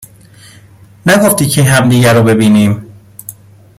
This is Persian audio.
نگفتی کی همدیگر رو ببینیم